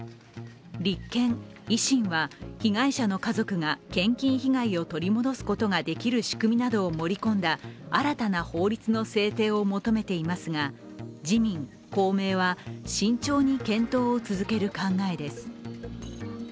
立憲・維新は被害者の家族が献金被害を取り戻すことができる仕組みなどを盛り込んだ新たな法律の制定を求めていますが、自民・公明は慎重に検討を続ける考えです。